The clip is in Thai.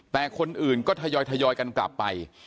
แต่คนอื่นก็ทยอยกันกลับไป